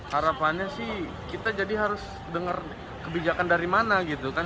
harapannya sih kita jadi harus dengar kebijakan dari mana gitu kan